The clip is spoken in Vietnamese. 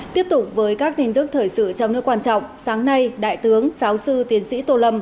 tiếp tục với các tin tức thời sự trong nước quan trọng sáng nay đại tướng giáo sư tiến sĩ tô lâm